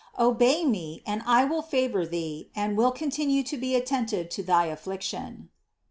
Obey me, and I will favor thee and will continue to be attentive to thy afflic tion."